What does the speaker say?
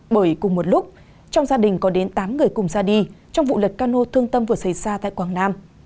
bởi cùng một lúc trong gia đình có đến tám người cùng ra đi trong vụ lật cano thương tâm vừa xảy ra tại quảng nam